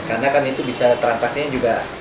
karena kan itu bisa transaksinya juga